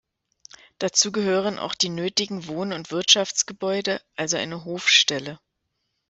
Dazu gehören auch die „nötigen Wohn- und Wirtschaftsgebäude“, also eine Hofstelle.